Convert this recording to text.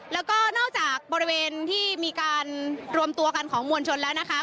แล้วก็นอกจากบริเวณที่มีการรวมตัวกันของมวลชนแล้วนะคะ